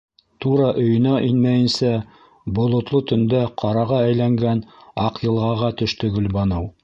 Тура өйөнә инмәйенсә, болотло төндә ҡараға әйләнгән Аҡйылғаға төштө Гөлбаныу.